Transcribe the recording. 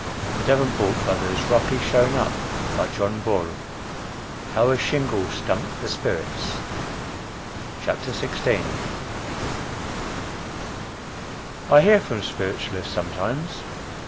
THE DAVENPORT BROTHERS ROUGHLY SHOWN UP BY JOHN BULL. HOW A SHINGLE "STUMPED" THE SPIRITS. I hear from spiritualists sometimes.